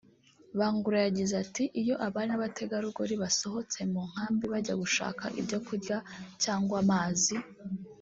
Bangura yagize ati“Iyo abari n’abategarugori basohotse mu nkambi bajya gushaka ibyo kurya cyangwa amazi